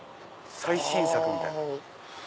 最新作みたいな。